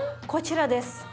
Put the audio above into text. こちらです。